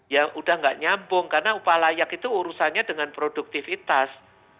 yang sudah tidak nyambung karena upah layak itu urusannya dengan produktivitas